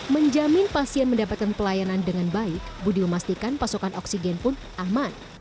menjamin pasien mendapatkan pelayanan dengan baik budi memastikan pasokan oksigen pun aman